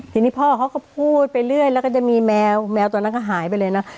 ทีนี้พ่อเขาก็พูดไปเรื่อยแล้วก็จะมีแมวแมวตัวนั้นก็หายไปเลยนะ